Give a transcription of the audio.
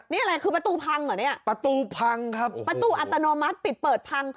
นี่อะไรคือประตูพังเหรอเนี่ยประตูพังครับประตูอัตโนมัติปิดเปิดพัง